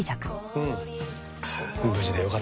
うん。